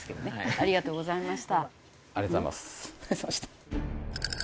ありがとうございます。